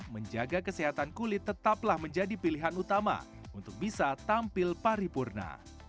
menjaga kesehatan kulit tetaplah menjadi pilihan utama untuk bisa tampil paripurna